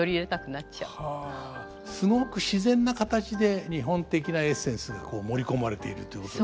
すごく自然な形で日本的なエッセンスがこう盛り込まれているということですね。